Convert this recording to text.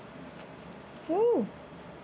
うん！